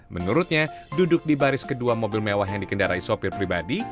menurutnya duduk di baris kedua mobil mewah yang dikendarai sopir pribadi